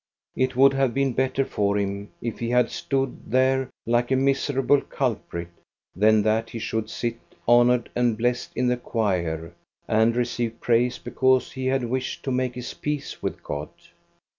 It would have been better for him if he had stood there like a miserable culprit than that he should sit honored and blessed in the choir, and receive praise because he had wished to make his peace with God.